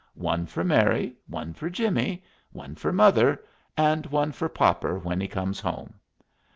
One for Mary, one for Jimmie, one for mother, and one for popper when he comes home."